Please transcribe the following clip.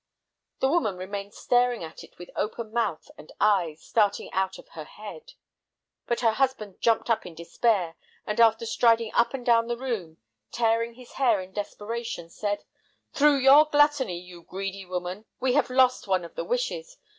The woman remained staring at it with open mouth and eyes starting out of her head. But her husband jumped up in despair, and after striding up and down the room, tearing his hair in desperation, said: "Through your gluttony, you greedy woman, we have lost one of the wishes!